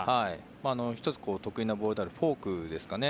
１つ、得意なボールであるフォークですかね。